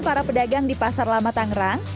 para pedagang di pasar lama tangerang